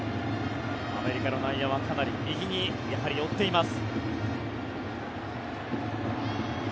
アメリカの内野はかなり右に寄っています。